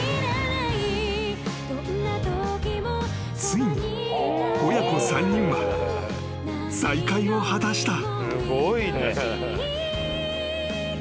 ［ついに親子３人は再会を果たした］